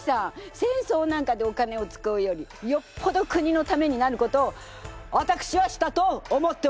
戦争なんかでお金を使うよりよっぽど国のためになることをわたくしはしたと思っております！